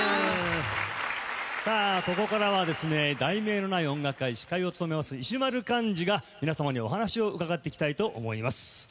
ここからは「題名のない音楽会」司会を務めます石丸幹二が皆様にお話を伺っていきたいと思います。